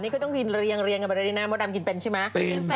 นี่ก็ต้องกินเรียงกับราดินาโมดามกินเป็นใช่ไหม